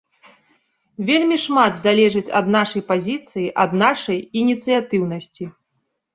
Вельмі шмат залежыць ад нашай пазіцыі, ад нашай ініцыятыўнасці.